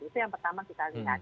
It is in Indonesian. itu yang pertama kita lihat